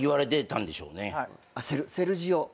セルジオ。